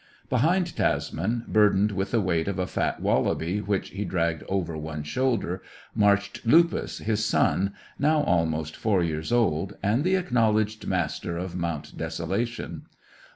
Behind Tasman, burdened with the weight of a fat wallaby which he dragged over one shoulder, marched Lupus, his son, now almost four years old and the acknowledged master of Mount Desolation.